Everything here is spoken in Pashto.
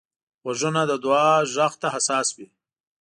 غوږونه د دعا غږ ته حساس وي